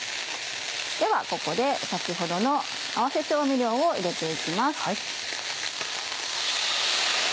ではここで先ほどの合わせ調味料を入れて行きます。